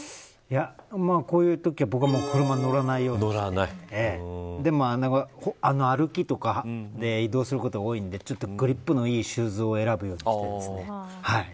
こういうときは僕は車に乗らないようにして歩きとか移動することが多いのでグリップのいいシューズを選ぶようにしてますね。